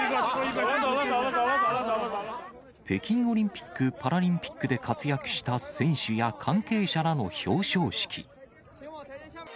北京オリンピック・パラリンピックで活躍した選手や関係者らの表彰式。